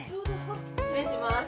失礼します。